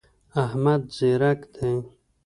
احمد ځیرک دی.